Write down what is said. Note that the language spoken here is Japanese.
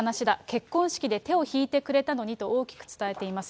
結婚式で手を引いてくれたのにと大きく伝えています。